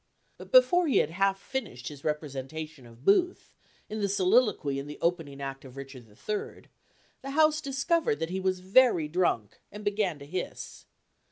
But before he had half finished his representation of Booth, in the soliloquy in the opening act of Richard III., the house discovered that he was very drunk, and began to hiss.